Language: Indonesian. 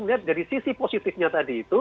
melihat dari sisi positifnya tadi itu